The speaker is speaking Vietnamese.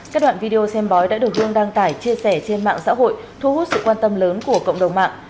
các đoạn video xem bói đã được dương đăng tải chia sẻ trên mạng xã hội thu hút sự quan tâm lớn của cộng đồng mạng